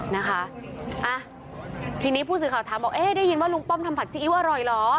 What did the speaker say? นะคะอ่ะทีนี้ผู้สื่อข่าวถามบอกเอ๊ะได้ยินว่าลุงป้อมทำผัดซีอิ๊วอร่อยเหรอ